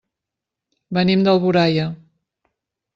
Venim d'Alboraia.